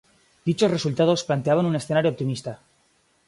Dichos resultados planteaban un escenario optimista.